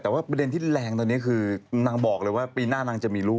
แต่ว่าประเด็นที่แรงตอนนี้คือนางบอกเลยว่าปีหน้านางจะมีลูก